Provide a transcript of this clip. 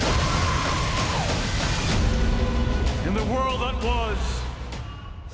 kedua sosok ini mengajak orang yang selamat dari wabah untuk membentuk populasi masyarakat baru pasca pandemi